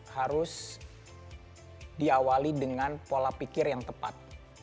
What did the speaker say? harus diawali dengan pola pikir yang tepat